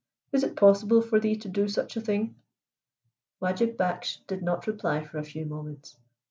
Is it possible for thee to do such a thing?" Wajib Baksh did not reply for a few moments.